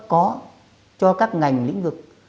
đó cho các ngành lĩnh vực